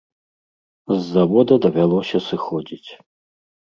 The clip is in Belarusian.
З завода давялося сыходзіць.